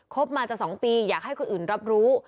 บมาจะ๒ปีอยากให้คนอื่นรับรู้